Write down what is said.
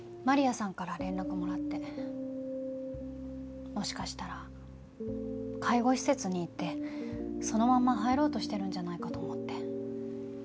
マリアさんから連絡もらってもしかしたら介護施設に行ってそのまま入ろうとしてるんじゃないかと思って。